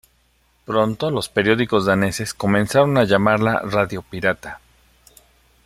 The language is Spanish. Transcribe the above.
Pronto los periódicos daneses comenzaron a llamarla "radio pirata".